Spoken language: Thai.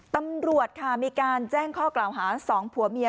ตำรวจค่ะมีการแจ้งข้อกล่าวหา๒ผัวเมีย